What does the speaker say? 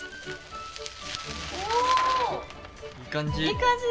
いい感じ。